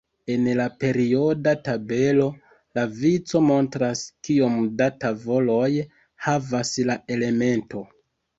En la perioda tabelo, la vico montras, kiom da tavoloj havas la elemento.